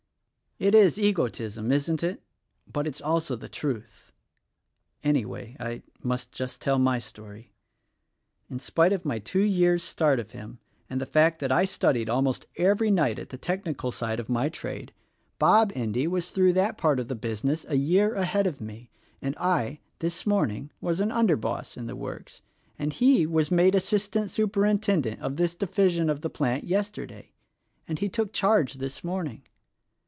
It is egotism, isn't it — but, it's also the truth. Anyway, I must just tell my story. In spite of my two years' start of him — and the fact that I studied almost every night at the technical side of my trade — Bob Endy THE RECORDING ANGEL 15 was through that part of the business a year ahead of me, and I, this morning, was an under boss in the works, and he was made Assistant Superintendent of this division of the plant, yesterday ; and he took charge this morning.